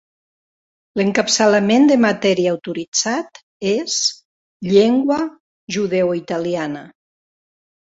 L'encapçalament de matèria autoritzat és "llengua judeoitaliana".